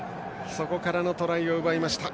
そこからのトライを奪いました。